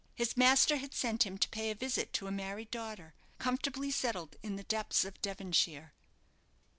His master had sent him to pay a visit to a married daughter, comfortably settled in the depths of Devonshire.